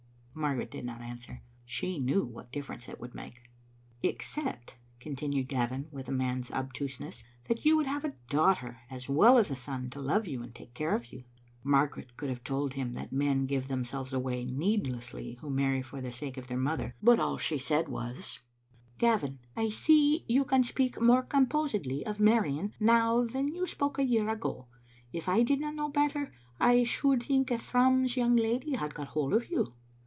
Margaret did not answer. She knew what a differ ence it would make. " Except," continued Gavin, with a man's obtuseness^ " that you would have a daughter as well as a son to love you and take care of you." Margaret could have told him that men give them selves away needlessly who marry for the sake of their mother, but all she said was — "Gavin, I see you can speak more composedly of marrying now than you spoke a year ago. If I did not know better, I should think a Thrums young lady had got hold of you."